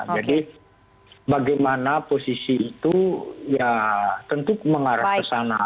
jadi bagaimana posisi itu ya tentu mengarah ke sana